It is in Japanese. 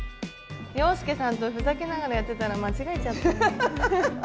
洋輔さんとふざけながらやってたら間違えちゃった。